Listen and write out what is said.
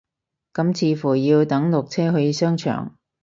咁似乎要等落車去商場